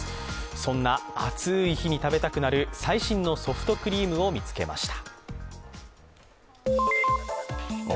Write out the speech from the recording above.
そんな暑い日に食べたくなる最新のソフトクリームを見つけました。